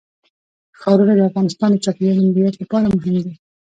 ښارونه د افغانستان د چاپیریال د مدیریت لپاره مهم دي.